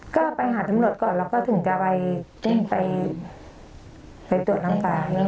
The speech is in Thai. ก็ไปหาตำรวจก่อนแล้วก็ถึงจะไปแจ้งไปตรวจร่างกาย